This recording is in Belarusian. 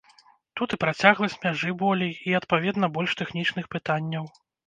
Тут і працягласць мяжы болей, і, адпаведна, больш тэхнічных пытанняў.